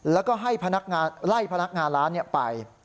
แล้วก็ให้พนักงานไล่พนักงานร้านไป